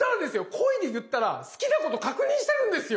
恋で言ったら好きなこと確認してるんですよ。